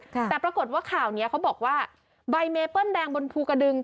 แต่ปรากฏว่าข่าวเนี้ยเขาบอกว่าใบเมเปิ้ลแดงบนภูกระดึง